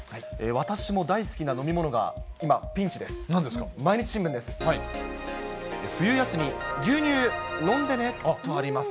私も大好きな飲み物が今、ピンチです。